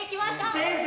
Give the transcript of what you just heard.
先生